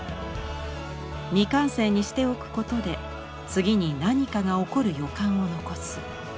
未完成にしておくことで次に何かが起こる予感を残す。